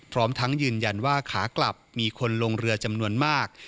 พร้อมทั้งยืนยันว่าขากลับมีคนลงเรือจำนวนมาก